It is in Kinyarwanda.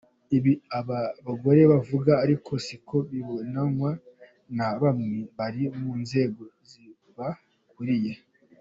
Ibi aba bagore bavuga ariko siko bibonwa na bamwe bari mu nzego zibakuriye.